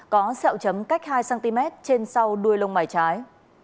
có xeo chấm cách hai cm trên sau đuôi lông mày trái